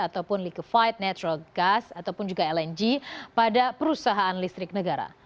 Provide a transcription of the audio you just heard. ataupun liquefied natural gas ataupun juga lng pada perusahaan listrik negara